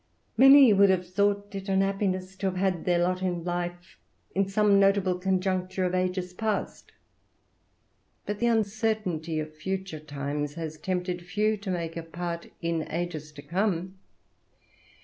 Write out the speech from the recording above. Many would have thought it an happiness to have had their lot of life in some notable conjunctures of ages past; but the uncertainty of future times hath tempted few to make a part in ages to come.